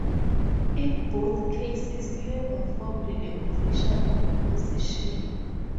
In both cases, Labour formed the official opposition.